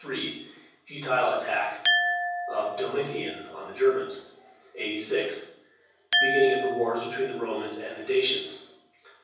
Futile attack of Domitian on the Germans. 86. Beginning of the wars between the Romans and the Dacians.